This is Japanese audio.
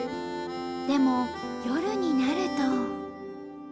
でも夜になると。